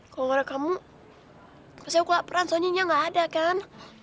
kalau gak ada kamu pasti aku kelaperan soalnya gak ada kan